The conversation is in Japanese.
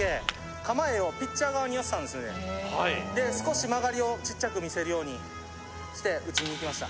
今打った時だけはいで少し曲がりをちっちゃく見せるようにして打ちにいきました